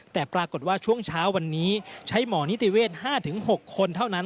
แต่ปรากฏว่าช่วงเช้าวันนี้ใช้หมอนิติเวศ๕๖คนเท่านั้น